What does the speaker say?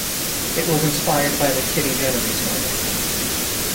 It was inspired by the Kitty Genovese murder.